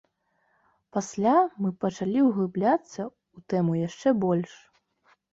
Пасля мы пачалі ўглыбляцца ў тэму яшчэ больш.